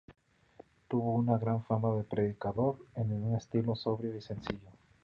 Tuvo una gran fama de predicador, en un estilo sobrio y sencillo.